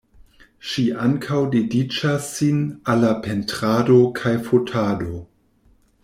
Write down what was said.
Ŝi ankaŭ dediĉas sin al la pentrado kaj fotado.